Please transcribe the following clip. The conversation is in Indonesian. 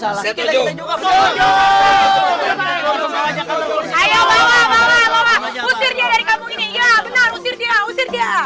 tapi aku k examples